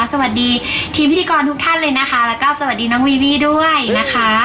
สวัสดีทีมพิธีกรทุกท่านเลยนะคะแล้วก็สวัสดีน้องวีวี่ด้วยนะคะ